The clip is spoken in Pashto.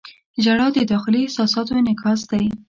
• ژړا د داخلي احساساتو انعکاس دی.